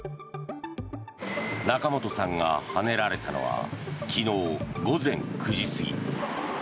仲本さんがはねられたのは昨日午前９時過ぎ。